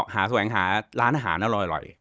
หาร้านอาหารอร่อย